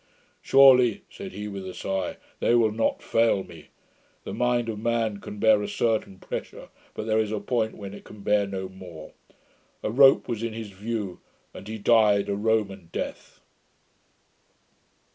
"Surely," said he, with a sigh, "they will not fail me." The mind of man can bear a certain pressure; but there is a point when it can bear no more. A rope was in his view, and he died a Roman death.'